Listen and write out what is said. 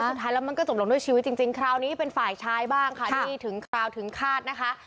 สุดท้ายแล้วมันก็จบลงด้วยชีวิตจริงคราวนี้เป็นฝ่ายชายบ้างค่ะที่ถึงคราวถึงคาดนะคะ